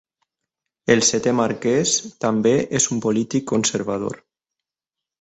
El setè marquès també és un polític conservador.